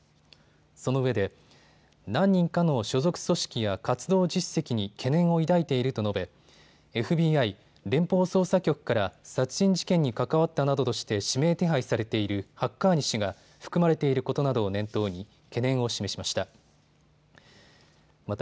そのうえで、何人かの所属組織や活動実績に懸念を抱いていると述べＦＢＩ・連邦捜査局から殺人事件に関わったなどとして指名手配されているハッカーニ氏が含まれていることなどを念頭に懸念を示しました。